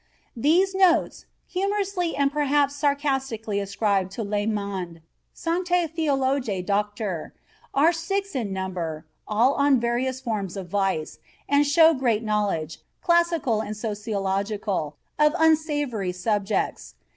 These notes, humorously and perhaps sarcastically ascribed to Lallemand, Sanctae Theologiae Doctor, "are six in number (all on various forms of vice); and show great knowledge, classical and sociological, of unsavory subjects.